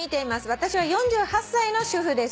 「私は４８歳の主婦です」